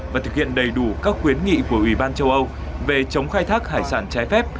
và thực hiện đầy đủ các quyến nghị của ủy ban châu âu về chống khai thác hải sản trái phép